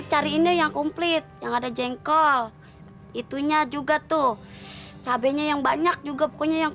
cari ini yang komplit yang ada jengkol itunya juga tuh cabainya yang banyak juga pokoknya yang